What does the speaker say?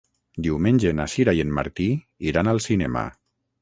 Diumenge na Sira i en Martí iran al cinema.